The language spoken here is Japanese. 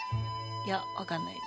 いや分かんない。